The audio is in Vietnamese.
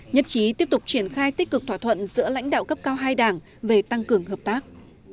nhất trí tiếp tục triển khai tích cực thỏa thuận giữa lãnh đạo cấp cao hai đảng về tăng cường hợp tác